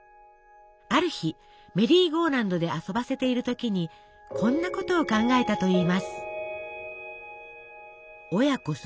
ある日メリーゴーランドで遊ばせている時にこんなことを考えたといいます。